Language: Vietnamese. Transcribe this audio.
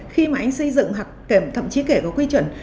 khi mà anh xây dựng thậm chí kể có quy chuẩn